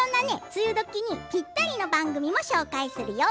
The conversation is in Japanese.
梅雨時にぴったりな番組も紹介するよ。